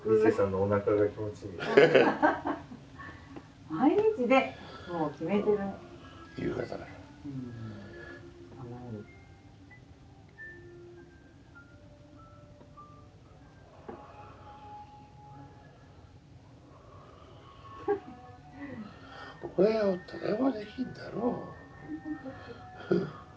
お前がおったら何もできんだろう。